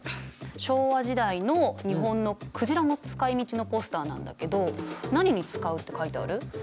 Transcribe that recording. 昭和時代の日本の鯨の使いみちのポスターなんだけど何に使うって書いてある？